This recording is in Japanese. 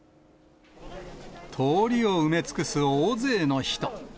通りを埋め尽くす大勢の人。